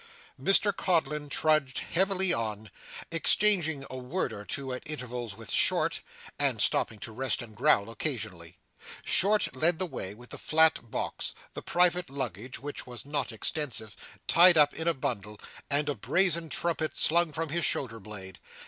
Mr Codlin trudged heavily on, exchanging a word or two at intervals with Short, and stopping to rest and growl occasionally. Short led the way; with the flat box, the private luggage (which was not extensive) tied up in a bundle, and a brazen trumpet slung from his shoulder blade.